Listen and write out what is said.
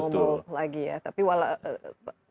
tapi justru kalau kita lihat